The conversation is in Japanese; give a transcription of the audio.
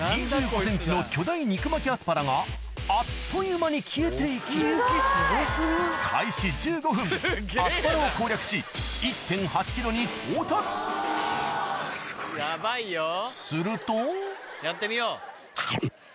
２５ｃｍの巨大肉巻きアスパラがあっという間に消えて行きアスパラを攻略しに到達するとやってみよう。